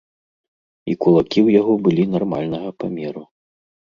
І кулакі ў яго былі нармальнага памеру.